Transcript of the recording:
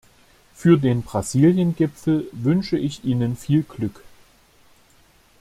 Für den Brasilien-Gipfel wünsche ich Ihnen viel Glück.